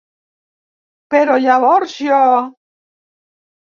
Però llavors jo...